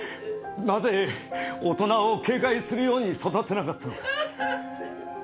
なぜ大人を警戒するように育てなかったのか。